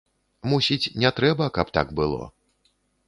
Мусіць, не трэба, каб так было.